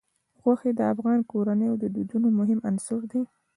غوښې د افغان کورنیو د دودونو مهم عنصر دی.